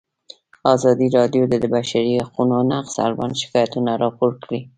ازادي راډیو د د بشري حقونو نقض اړوند شکایتونه راپور کړي.